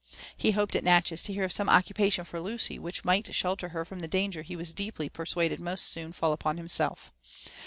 He hoped at Natchez to hear of some occupation for Lucy which might shelter her from the danger he was deeply persuaded must soon fall upon himself.